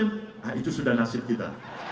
nah itu sudah nasib kita